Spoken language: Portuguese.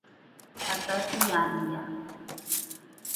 Abadiânia